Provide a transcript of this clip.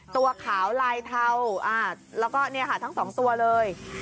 ตัวขาวลายเทาแล้วก็เนี่ยค่ะทั้งสองตัวเลย